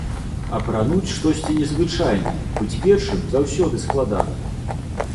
Апрануць штосьці незвычайнае, быць першым заўсёды складана.